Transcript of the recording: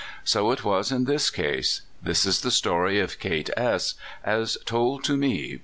So it was in this case. This is the story of Kate S , as told to me.